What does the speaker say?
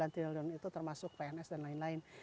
sembilan triliun itu termasuk pns dan lain lain